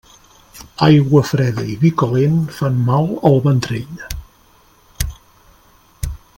Aigua freda i vi calent fan mal al ventrell.